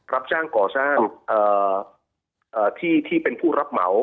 รับจ้างก่อสร้างที่เป็นผู้รับเหมา